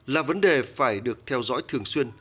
là vấn đề phải được theo dõi thường xuyên